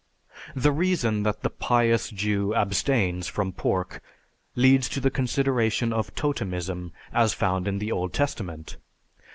The reason that the pious Jew abstains from pork leads to the consideration of Totemism as found in the Old Testament.